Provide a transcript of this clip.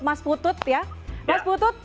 mas putut ya mas putut